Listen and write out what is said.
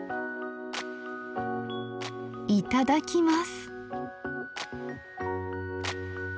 いただきます！